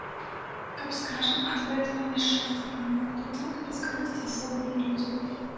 Каб, скажам, ад гэтага няшчасця памёр, то так, без карысці сабе і людзям.